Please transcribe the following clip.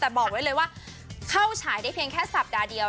แต่บอกไว้เลยว่าเข้าฉายได้เพียงแค่สัปดาห์เดียว